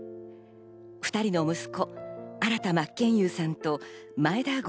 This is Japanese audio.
２人の息子、新田真剣佑さんと眞栄田郷